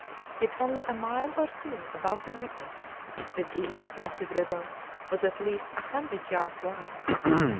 Yet only a mile or two above the rapids the deep, placid river was at least a hundred yards wide.